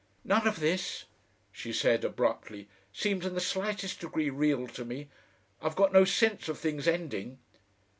"None of this," she said abruptly, "seems in the slightest degree real to me. I've got no sense of things ending."